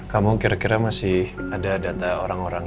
kamu kira kira masih ada data orang orang